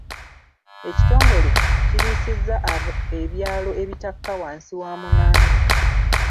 Ekitongole kiriisizza ebyalo ebitakka wansi wa munaana.